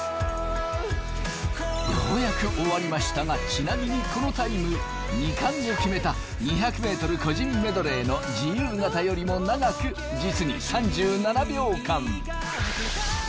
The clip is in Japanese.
ようやく終わりましたがちなみにこのタイム２冠を決めた２００メートル個人メドレーの自由形よりも長く実に３７秒間。